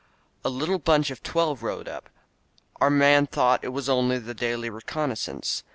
"A little bunch' of twelve rode up. Our men thought it was only the daily reconnaissance.